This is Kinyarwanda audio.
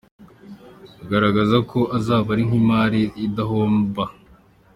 Garagaza ko uzaba uri nk’imari idahomba.